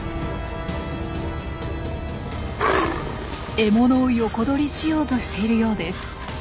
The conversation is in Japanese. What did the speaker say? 獲物を横取りしようとしているようです。